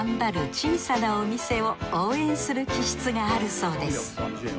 小さなお店を応援する気質があるそうです